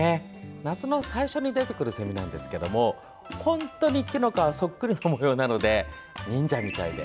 夏の最初に出てくるセミですけど本当に木の皮そっくりな模様なので忍者みたいで